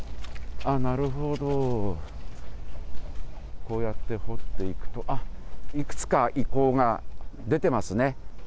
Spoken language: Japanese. なるほど、こうやって掘っていくと、いくつか遺構が出てますね。